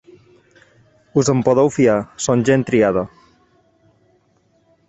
Us en podeu fiar: són gent triada.